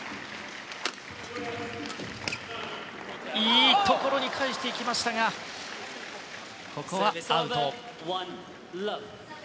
いいところに返していきましたがここは、アウト。